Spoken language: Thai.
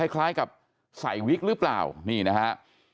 คล้ายกับใส่วิกหรือเปล่านี่นะฮะ